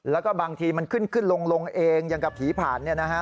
แล้วก็บางทีมันขึ้นขึ้นลงเองอย่างกับผีผ่าน